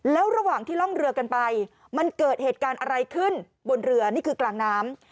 แล้วระหว่างที่ร่องเรือกันไปมันเกิดเหตุการณ์อะไรขึ้นบนเรือนี่คือกลางน้ำ